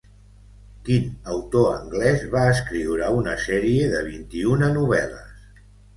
Quin autor anglès va escriure una sèrie de vint-i-una novel·les?